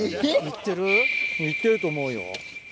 行ってると思うよ。